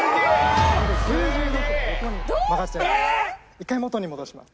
１回元に戻します。